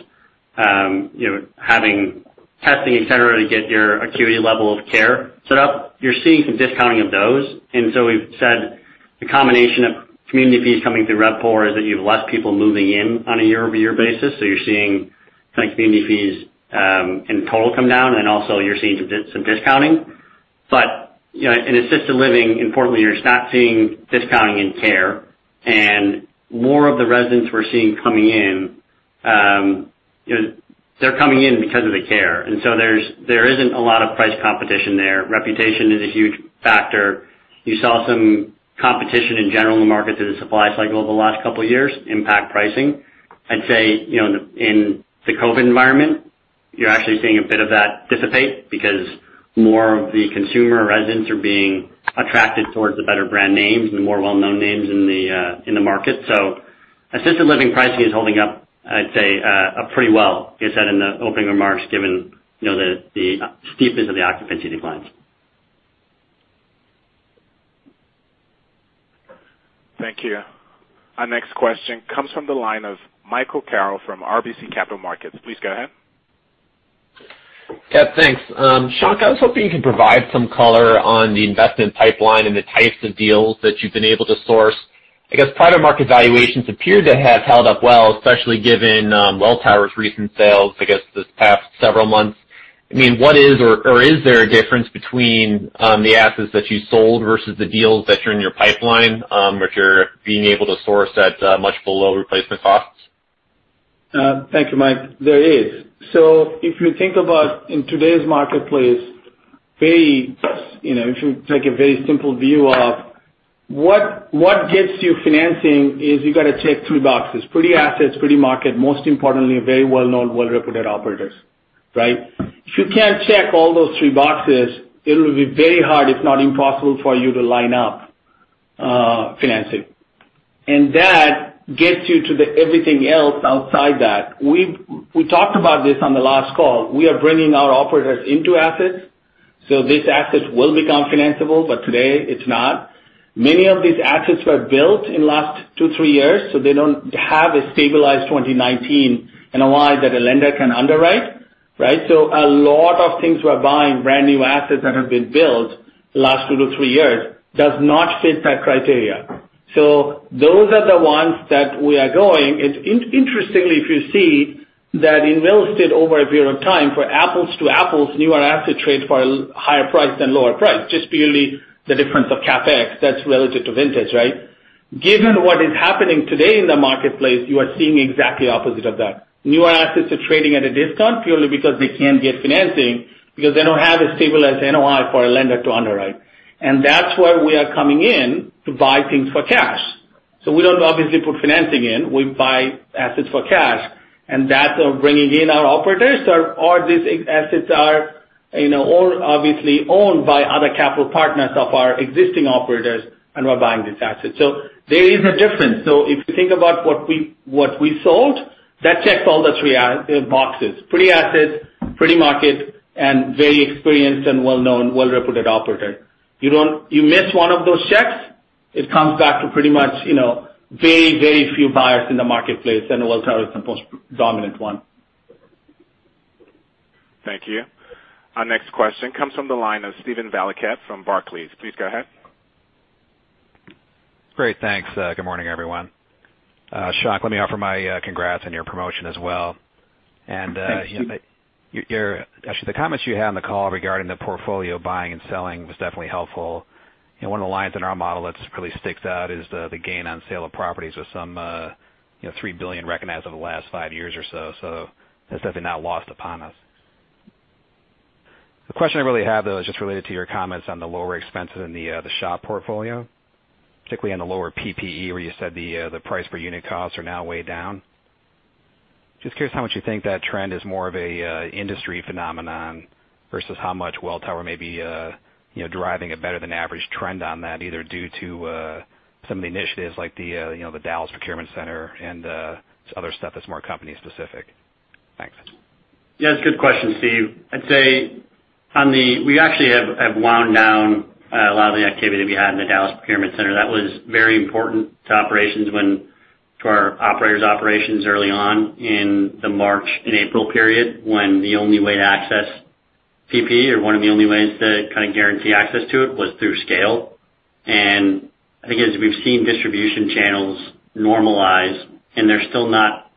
having testing, et cetera, to get your acuity level of care set up. You're seeing some discounting of those. We've said the combination of community fees coming through RevPOR is that you have less people moving in on a year-over-year basis. You're seeing community fees in total come down, and also you're seeing some discounting. In assisted living, importantly, you're not seeing discounting in care. More of the residents we're seeing coming in, they're coming in because of the care. There isn't a lot of price competition there. Reputation is a huge factor. You saw some competition in general in the market through the supply cycle over the last couple of years impact pricing. I'd say in the COVID environment. You're actually seeing a bit of that dissipate because more of the consumer residents are being attracted towards the better brand names and the more well-known names in the market. Assisted living pricing is holding up, I'd say, pretty well, as I said in the opening remarks, given the steepness of the occupancy declines. Thank you. Our next question comes from the line of Michael Carroll from RBC Capital Markets. Please go ahead. Yep, thanks. Shankh, I was hoping you could provide some color on the investment pipeline and the types of deals that you've been able to source. I guess private market valuations appear to have held up well, especially given Welltower's recent sales, I guess, this past several months. What is or is there a difference between the assets that you sold versus the deals that are in your pipeline, which you're being able to source at much below replacement costs? Thank you, Mike. There is. If you think about in today's marketplace, if you take a very simple view of what gets you financing is you got to check three boxes, pretty assets, pretty market, most importantly, very well-known, well-reputed operators. Right? If you can't check all those three boxes, it'll be very hard, if not impossible for you to line up financing. That gets you to the everything else outside that. We talked about this on the last call. We are bringing our operators into assets, so these assets will become financeable, but today it's not. Many of these assets were built in last two, three years, so they don't have a stabilized 2019 NOI that a lender can underwrite. Right? A lot of things, we're buying brand new assets that have been built last two to three years, does not fit that criteria. Those are the ones that we are going. Interestingly, if you see that in real estate, over a period of time for apples to apples, newer assets trade for a higher price than lower price, just purely the difference of CapEx that's relative to vintage. Right. Given what is happening today in the marketplace, you are seeing exactly opposite of that. Newer assets are trading at a discount purely because they can't get financing because they don't have a stabilized NOI for a lender to underwrite. That's where we are coming in to buy things for cash. We don't obviously put financing in. We buy assets for cash, and that's bringing in our operators or these assets are obviously owned by other capital partners of our existing operators, and we're buying these assets. There is a difference. If you think about what we sold, that checks all the three boxes, pretty assets, pretty market, and very experienced and well-known, well-reputed operator. You miss one of those checks, it comes back to pretty much very few buyers in the marketplace, and Welltower is the most dominant one. Thank you. Our next question comes from the line of Steven Valiquette from Barclays. Please go ahead. Great. Thanks. Good morning, everyone. Shankh, let me offer my congrats on your promotion as well. Thanks, Steve. The comments you had on the call regarding the portfolio buying and selling was definitely helpful. One of the lines in our model that really sticks out is the gain on sale of properties with some $3 billion recognized over the last five years or so. That's definitely not lost upon us. The question I really have, though, is just related to your comments on the lower expenses in the SHO portfolio, particularly on the lower PPE, where you said the price per unit costs are now way down. Just curious how much you think that trend is more of an industry phenomenon versus how much Welltower may be driving a better than average trend on that, either due to some of the initiatives like the Dallas Procurement Center and other stuff that's more company specific. Thanks. Yeah, that's a good question, Steve. I'd say we actually have wound down a lot of the activity we had in the Dallas Procurement Center. That was very important to our operator's operations early on in the March and April period, when the only way to access PPE or one of the only ways to kind of guarantee access to it was through scale. I think as we've seen distribution channels normalize, and they're still not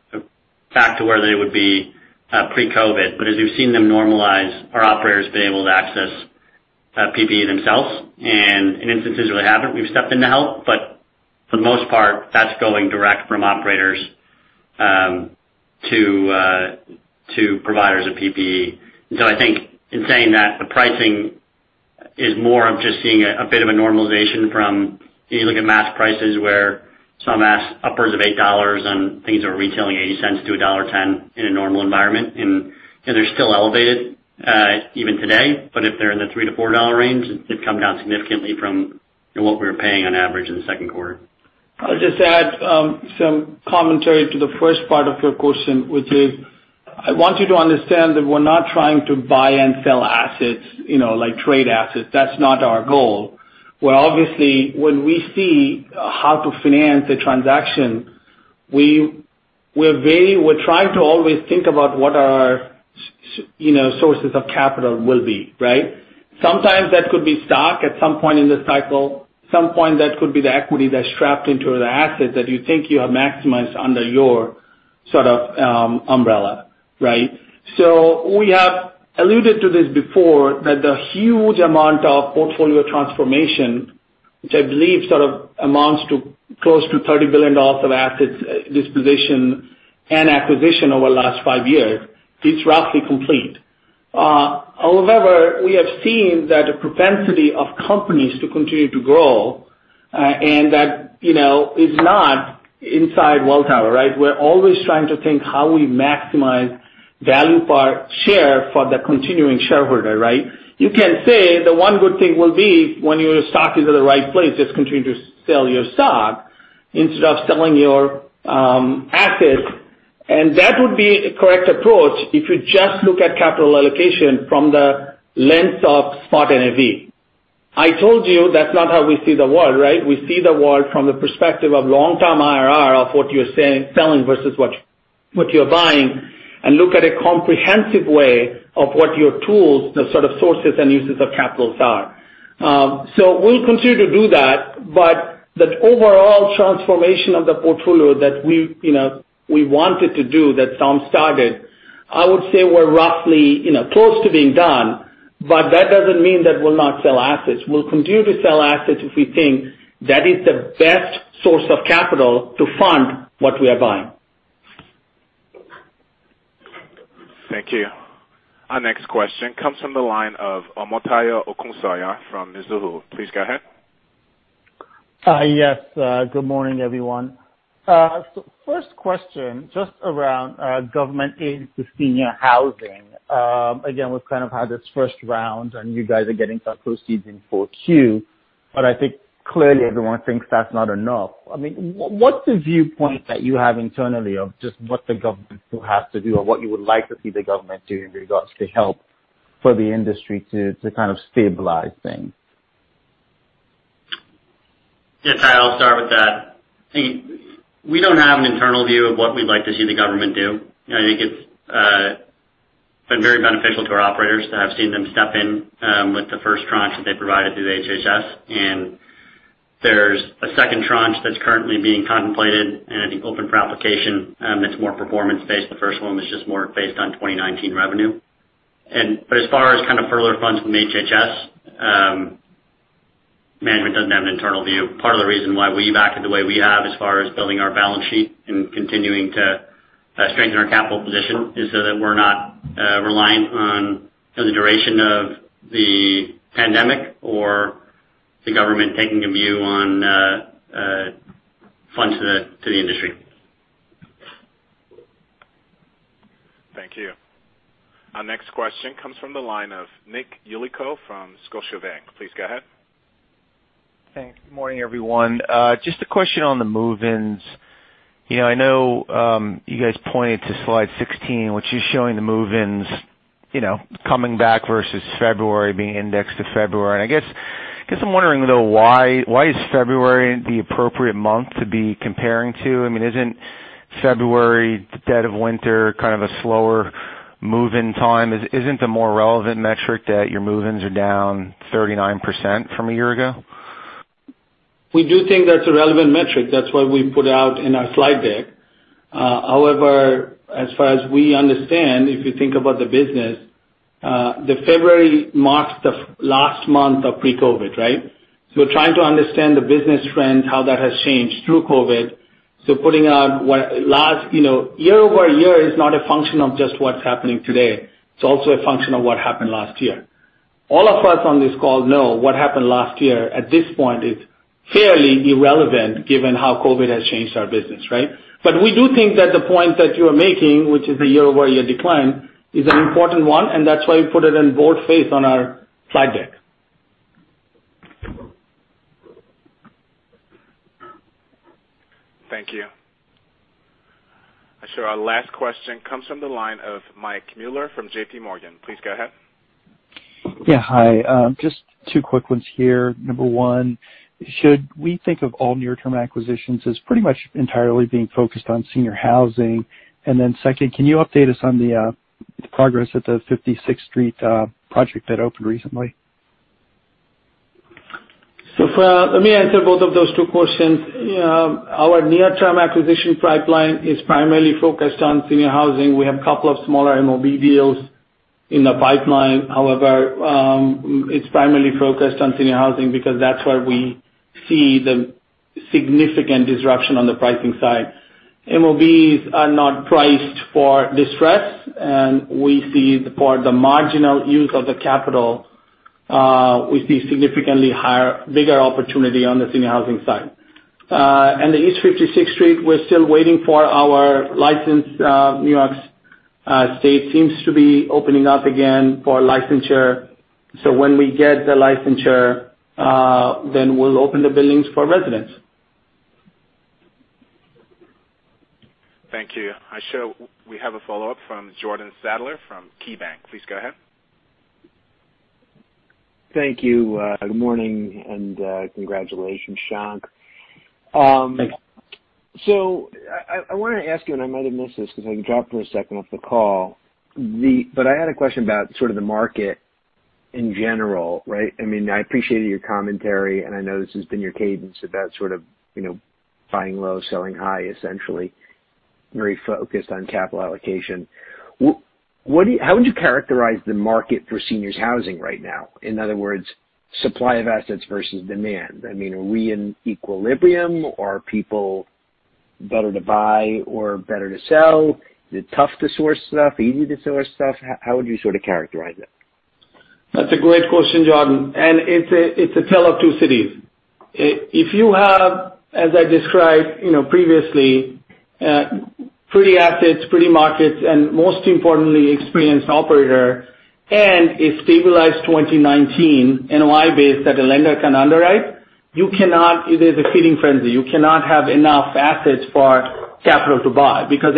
back to where they would be pre-COVID, but as we've seen them normalize, our operators have been able to access PPE themselves, and in instances where they haven't, we've stepped in to help. For the most part, that's going direct from operators to providers of PPE. I think in saying that, the pricing is more of just seeing a bit of a normalization from, you look at mask prices where some masks upwards of $8 and things are retailing $0.80-$1.10 in a normal environment. They're still elevated even today, but if they're in the $3-$4 range, they've come down significantly from what we were paying on average in the second quarter. I'll just add some commentary to the first part of your question, which is, I want you to understand that we're not trying to buy and sell assets, like trade assets. That's not our goal. Well, obviously, when we see how to finance a transaction, we're trying to always think about what our sources of capital will be. Right? Sometimes that could be stock at some point in this cycle. Some point, that could be the equity that's trapped into the asset that you think you have maximized under your sort of umbrella. Right? We have alluded to this before, that the huge amount of portfolio transformation, which I believe sort of amounts to close to $30 billion of assets disposition and acquisition over the last five years, is roughly complete. However, we have seen that the propensity of companies to continue to grow. That is not inside Welltower, right? We're always trying to think how we maximize value per share for the continuing shareholder, right? You can say the one good thing will be when your stock is at the right place, just continue to sell your stock instead of selling your assets. That would be a correct approach if you just look at capital allocation from the lens of spot NAV. I told you that's not how we see the world, right? We see the world from the perspective of long-term IRR of what you're selling versus what you're buying, and look at a comprehensive way of what your tools, the sort of sources and uses of capitals are. We'll continue to do that, but the overall transformation of the portfolio that we wanted to do, that Tom started, I would say we're roughly close to being done, but that doesn't mean that we'll not sell assets. We'll continue to sell assets if we think that is the best source of capital to fund what we are buying. Thank you. Our next question comes from the line of Omotayo Okusanya from Mizuho. Please go ahead. Yes. Good morning, everyone. First question, just around government aid to senior housing. We've kind of had this first round and you guys are getting some proceeds in 4Q. I think clearly everyone thinks that's not enough. I mean, what's the viewpoint that you have internally of just what the government still has to do, or what you would like to see the government do in regards to help for the industry to kind of stabilize things? Yeah, Tayo, I'll start with that. I think we don't have an internal view of what we'd like to see the government do. I think it's been very beneficial to our operators to have seen them step in with the first tranche that they provided through HHS, and there's a second tranche that's currently being contemplated and I think open for application. It's more performance-based. The first one was just more based on 2019 revenue. As far as kind of further funds from HHS, management doesn't have an internal view. Part of the reason why we've acted the way we have as far as building our balance sheet and continuing to strengthen our capital position is so that we're not reliant on the duration of the pandemic or the government taking a view on funds to the industry. Thank you. Our next question comes from the line of Nick Yulico from Scotiabank. Please go ahead. Thanks. Morning, everyone. Just a question on the move-ins. I know you guys pointed to slide 16, which is showing the move-ins coming back versus February, being indexed to February. I guess I'm wondering, though, why is February the appropriate month to be comparing to? I mean, isn't February the dead of winter kind of a slower move-in time? Isn't the more relevant metric that your move-ins are down 39% from a year ago? We do think that's a relevant metric. That's why we put out in our slide deck. As far as we understand, if you think about the business, February marks the last month of pre-COVID, right? We're trying to understand the business trend, how that has changed through COVID. Putting out year-over-year is not a function of just what's happening today. It's also a function of what happened last year. All of us on this call know what happened last year at this point is fairly irrelevant given how COVID has changed our business, right? We do think that the point that you are making, which is the year-over-year decline, is an important one, and that's why we put it in boldface on our slide deck. Thank you. Our last question comes from the line of Mike Mueller from JPMorgan. Please go ahead. Yeah. Hi. Just two quick ones here. Number one, should we think of all near-term acquisitions as pretty much entirely being focused on senior housing? Second, can you update us on the progress at the 56th Street project that opened recently? Let me answer both of those two questions. Our near-term acquisition pipeline is primarily focused on senior housing. We have couple of smaller MOB deals in the pipeline. However, it's primarily focused on senior housing because that's where we see the significant disruption on the pricing side. MOBs are not priced for distress, we see for the marginal use of the capital, we see significantly bigger opportunity on the senior housing side. The East 56th Street, we're still waiting for our license. New York State seems to be opening up again for licensure. When we get the licensure, then we'll open the buildings for residents. Thank you. I show we have a follow-up from Jordan Sadler from KeyBanc. Please go ahead. Thank you. Good morning. Congratulations, Shankh. Thank you. I want to ask you, and I might have missed this because I dropped for a second off the call. I had a question about sort of the market in general, right? I mean, I appreciated your commentary, and I know this has been your cadence about sort of buying low, selling high, essentially, very focused on capital allocation. How would you characterize the market for Senior Housing right now? In other words, supply of assets versus demand. I mean, are we in equilibrium, or are people better to buy or better to sell? Is it tough to source stuff, easy to source stuff? How would you sort of characterize it? That's a great question, Jordan. It's a tale of two cities. If you have, as I described previously, pretty assets, pretty markets, and most importantly, experienced operator, and a stabilized 2019 NOI base that a lender can underwrite, it is a feeding frenzy. You cannot have enough assets for capital to buy because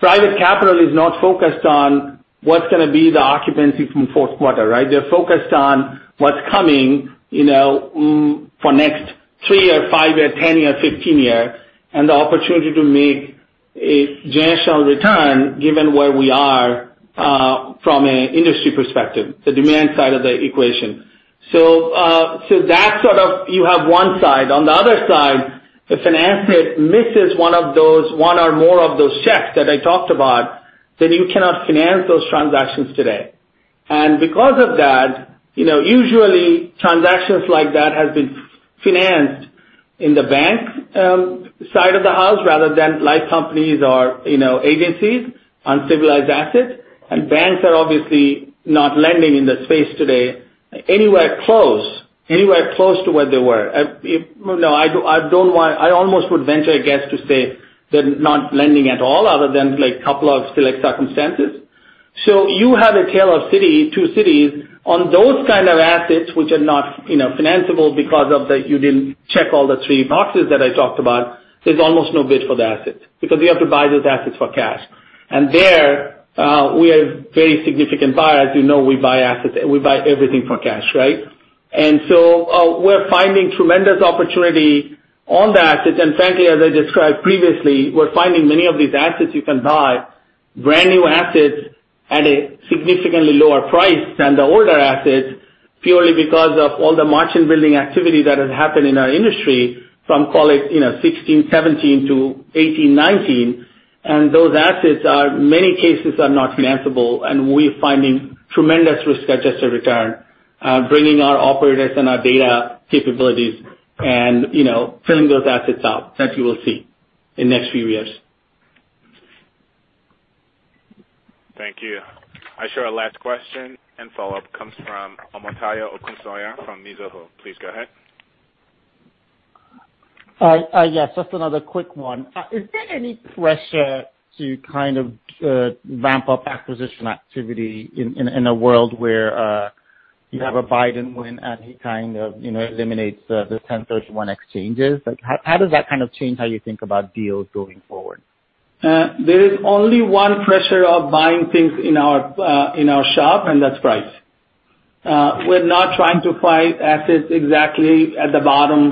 private capital is not focused on what's going to be the occupancy from the fourth quarter, right? They're focused on what's coming for the next three or five or 10 years, 15 years, and the opportunity to make a generational return given where we are from an industry perspective, the demand side of the equation. That sort of you have one side. On the other side, if an asset misses one or more of those checks that I talked about, you cannot finance those transactions today. Because of that, usually transactions like that have been financed in the bank side of the house rather than life companies or agencies on stabilized assets. Banks are obviously not lending in that space today anywhere close to where they were. I almost would venture a guess to say they're not lending at all other than a couple of select circumstances. You have a tale of two cities. On those kind of assets, which are not financeable because you didn't check all the three boxes that I talked about, there's almost no bid for the asset because you have to buy those assets for cash. There, we are very significant buyers. You know we buy everything for cash, right? We're finding tremendous opportunity on the assets. Frankly, as I described previously, we're finding many of these assets you can buy, brand-new assets at a significantly lower price than the older assets, purely because of all the margin-building activity that has happened in our industry from call it 2016, 2017 to 2018, 2019. Those assets are, in many cases, are not financeable, and we're finding tremendous risk-adjusted return, bringing our operators and our data capabilities and filling those assets out that you will see in the next few years. Thank you. I show our last question and follow-up comes from Omotayo Okusanya from Mizuho. Please go ahead. Yes, just another quick one. Is there any pressure to kind of ramp up acquisition activity in a world where you have a Biden win and he kind of eliminates the 1031 exchanges? How does that kind of change how you think about deals going forward? There is only one pressure of buying things in our shop, and that's price. We're not trying to buy assets exactly at the bottom.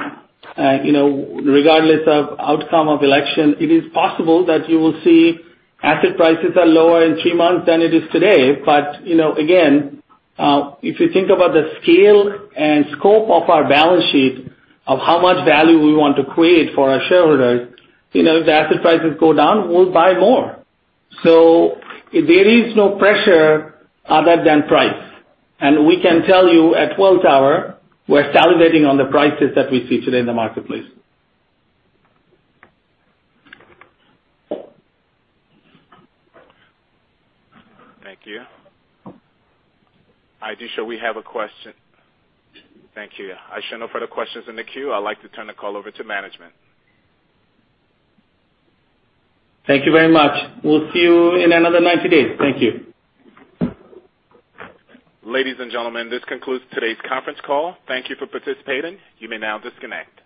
Regardless of outcome of election, it is possible that you will see asset prices are lower in three months than it is today. Again, if you think about the scale and scope of our balance sheet of how much value we want to create for our shareholders, if the asset prices go down, we'll buy more. There is no pressure other than price. We can tell you at Welltower, we're salivating on the prices that we see today in the marketplace. Thank you. I do show we have a question. Thank you. I show no further questions in the queue. I'd like to turn the call over to management. Thank you very much. We'll see you in another 90 days. Thank you. Ladies and gentlemen, this concludes today's conference call. Thank you for participating. You may now disconnect.